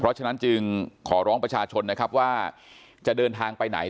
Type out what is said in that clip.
เพราะฉะนั้นจึงขอร้องประชาชนนะครับว่าจะเดินทางไปไหน